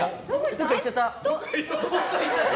どこか行っちゃった！